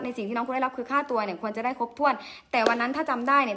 สิ่งที่น้องควรได้รับคือค่าตัวเนี่ยควรจะได้ครบถ้วนแต่วันนั้นถ้าจำได้เนี่ย